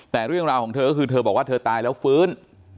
แต่เรื่องราวของเธอก็คือเธอบอกว่าเธอตายแล้วฟื้น